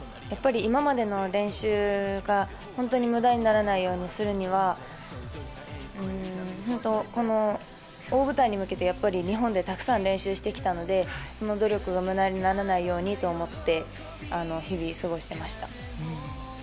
やっぱり今までの練習が本当に無駄にならないようにするには大舞台に向けて日本でたくさん練習してきたのでその努力が無駄にならないようにと思って日々、過ごしていました。